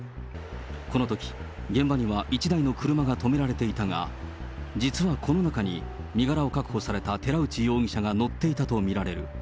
このとき、現場には１台の車が止められていたが、実はこの中に身柄を確保された寺内容疑者が乗っていたと見られる。